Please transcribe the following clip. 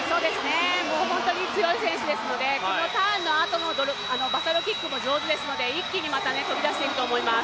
もう本当に強い選手ですので、このターンのあとのバサロキックも上手ですので、一気に飛び出していくと思います。